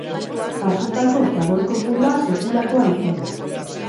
Jasotako zabor kopurua sekulakoa izan da.